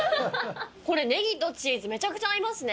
これネギとチーズめちゃくちゃ合いますね。